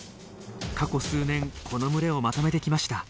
過去数年この群れをまとめてきました。